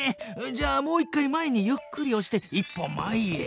じゃあもう一回前にゆっくりおして一歩前へ。